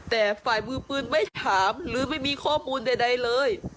แต่ฝ่ายมือปืนไม่ถามหรือไม่มีข้อมูลใดเลย